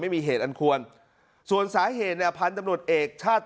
ไม่มีเหตุอันควรส่วนสาเหตุเนี่ยพันธุ์ตำรวจเอกชาติ